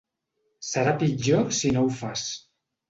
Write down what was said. Serà pitjor si no ho fas.